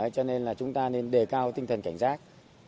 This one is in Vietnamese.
cho nên là chúng ta nên đề cao tinh thần cảnh giác